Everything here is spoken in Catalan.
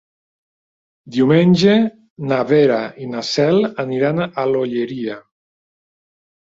Diumenge na Vera i na Cel aniran a l'Olleria.